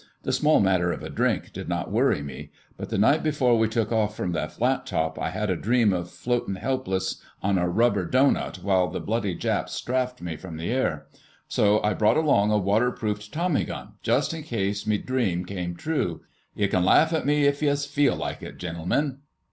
The small matter of a drink did not worry me. But the night before we took off from the flat top I had a dream of floatin' helpless on a rubber doughnut while the bloody Japs strafed me from the air. So I brought along a waterproofed tommy gun, just in case me dream came true! Ye can laugh at me if yez feel like it, gintlemen."